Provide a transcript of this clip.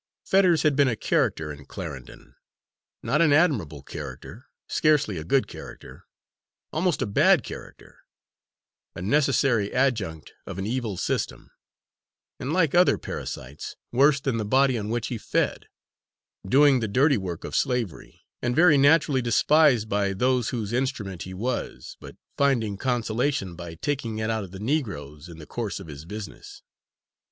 Fetters had been a character in Clarendon not an admirable character, scarcely a good character, almost a bad character; a necessary adjunct of an evil system, and, like other parasites, worse than the body on which he fed; doing the dirty work of slavery, and very naturally despised by those whose instrument he was, but finding consolation by taking it out of the Negroes in the course of his business.